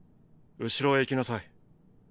後ろへ行きなさい。